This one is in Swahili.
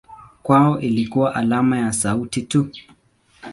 Kwao ilikuwa alama ya sauti tu.